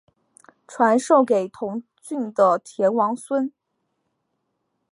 传授给同郡的田王孙。